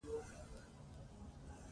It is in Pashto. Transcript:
لعل د افغانستان د طبیعي پدیدو یو رنګ دی.